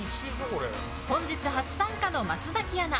本日、初参加の松崎アナ。